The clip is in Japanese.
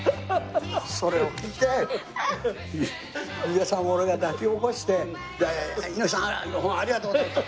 それを聞いて裕也さんを俺が抱き起こして「猪木さんありがとうございました」。